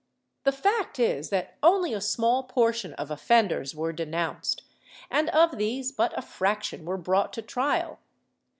The fact is that only a small portion of offenders were denounced, and of these but a fraction were brought to trial.